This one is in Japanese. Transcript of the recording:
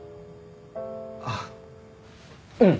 あっうん。